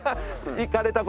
行かれた事？